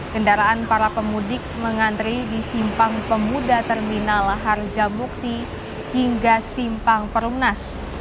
kendaraan para pemudik mengantri di simpang pemuda terminal harjamukti hingga simpang perumnas